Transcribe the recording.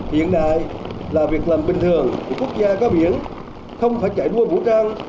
hiện đại là việc làm bình thường của quốc gia có biển không phải chạy đua vũ trang